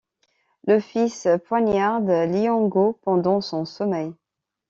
Le fils poignarde Liyongo pendant son sommeil.